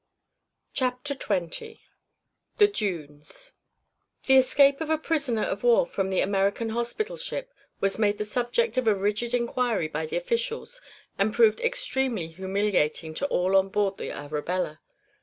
CHAPTER XX THE DUNES The escape of a prisoner of war from the American hospital ship was made the subject of a rigid inquiry by the officials and proved extremely humiliating to all on board the Arabella.